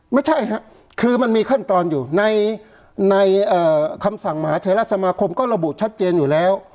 ไม่ใช่ครับคือมันมีขั้นตอนอยู่ในคำสั่งมหาเทราสมาคมก็ระบุชัดเจนอยู่แล้ว